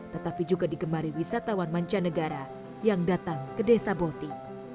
tetapi juga digemari wisatawan mancanegara yang datang ke desa boti